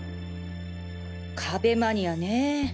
壁マニアねぇ。